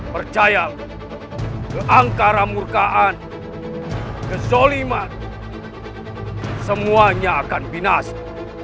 percayalah keangkara murkaan kezoliman semuanya akan binasa